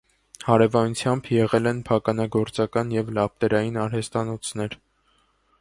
Հարևանությամբ եղել են փականագործական և լապտերային արհեստանոցներ։